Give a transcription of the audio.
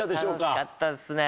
楽しかったっすね。